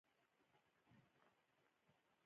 خولۍ د ارامۍ او سکون نښه ده.